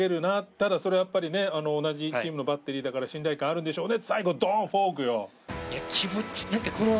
ただそれはやっぱりね同じチームのバッテリーだから信頼感あるんでしょうね。